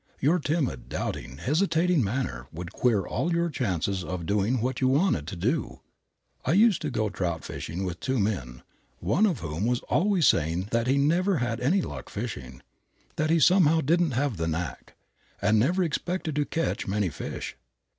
Your timid, doubting, hesitating manner would queer all your chances of doing what you wanted to do. I used to go trout fishing with two men, one of whom was always saying that he never had any luck fishing, that he somehow didn't have the knack, and never expected to catch many fish.